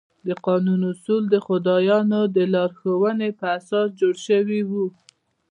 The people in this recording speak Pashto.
د قانون اصول د خدایانو د لارښوونو پر اساس جوړ شوي وو.